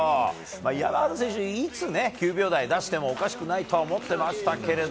山縣選手いつ９秒台出してもおかしくないと思っていましたけど